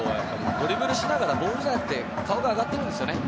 ドリブルしながらボールじゃなくて顔が上がっているんですよね。